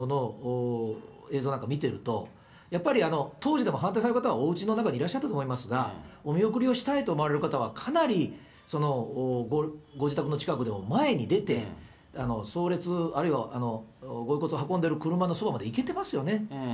だけども、先ほどの吉田茂元首相の映像なんか見てると、やっぱり当時でも反対される方はおうちの中にいらっしゃったと思いますが、お見送りをしたいと思われる方がかなりご自宅の近くでも前に出て、葬列、あるいはご遺骨を運んでる車のそばまで行けてますよね。